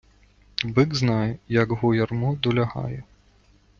Бик знає, як го ярмо долягає.